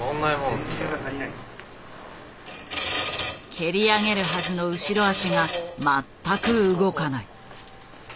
蹴り上げるはずの後脚が全く動かない。